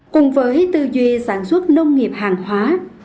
cùng với tư duy sản xuất nông nghiệp hàng hóa